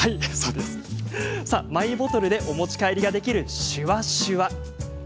マイボトルでお持ち帰りができるシュワシュワ。